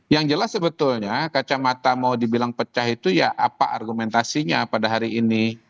yang jelas sebetulnya kacamata mau dibilang pecah itu ya apa argumentasinya pada hari ini